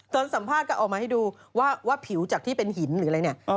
สัมภาษณ์ก็ออกมาให้ดูว่าผิวจากที่เป็นหินหรืออะไรเนี่ย